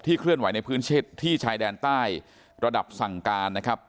เคลื่อนไหวในพื้นเช็ดที่ชายแดนใต้ระดับสั่งการนะครับ